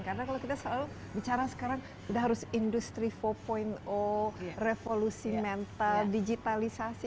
karena kalau kita selalu bicara sekarang udah harus industri empat revolusi mental digitalisasi